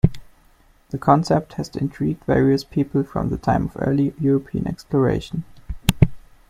The concept has intrigued various people from the time of early European exploration.